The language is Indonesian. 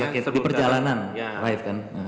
jadi perjalanan live kan